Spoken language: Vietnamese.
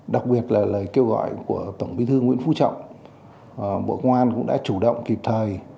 đặc biệt là lời kêu gọi của tổng bí thư nguyễn phú trọng bộ công an cũng đã chủ động kịp thời